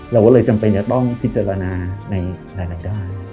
เราเลยจำเป็นจะต้องพิจารณาในรายละยได้